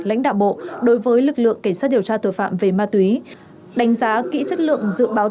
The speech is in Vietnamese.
lãnh đạo bộ đối với lực lượng cảnh sát điều tra tội phạm về ma túy đánh giá kỹ chất lượng dự báo